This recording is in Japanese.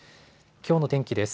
きょうの天気です。